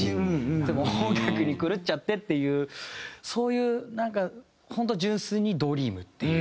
でも音楽に狂っちゃってっていうそういうなんか本当純粋にドリームっていう夢。